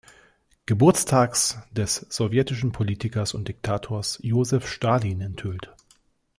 Geburtstags des sowjetischen Politikers und Diktators Josef Stalin enthüllt.